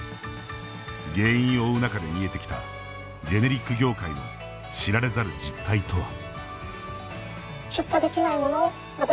原因を追う中で見えてきたジェネリック業界の知られざる実態とは。